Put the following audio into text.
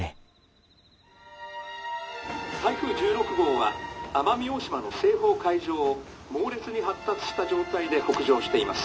「台風１６号は奄美大島の西方海上を猛烈に発達した状態で北上しています。